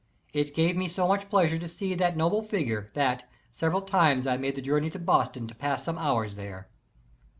It gave me so much pleasure to see that noble figure, that several times I made the journey to Boston to pass some hours there.